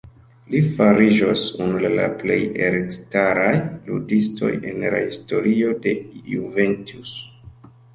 Li fariĝos unu el la plej elstaraj ludistoj en la historio de Juventus.